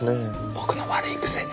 僕の悪い癖。